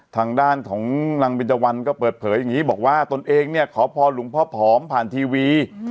ทางด้านของนางเบนเจวันก็เปิดเผยอย่างนี้บอกว่าตนเองเนี่ยขอพรหลวงพ่อผอมผ่านทีวี